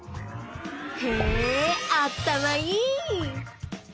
へあったまいい！